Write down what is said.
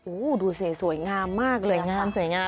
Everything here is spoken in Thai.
อู้ดูสวยงามมากเลยงาม